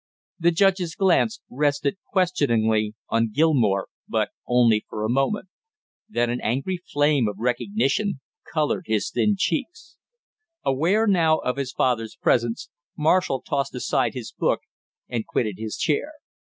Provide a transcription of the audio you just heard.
The judge's glance rested questioningly on Gilmore, but only for a moment. Then an angry flame of recognition colored his thin cheeks. Aware now of his father's presence, Marshall tossed aside his book and quitted his chair.